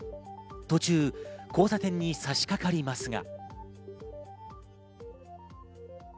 途中、交差点に差し掛かりますが。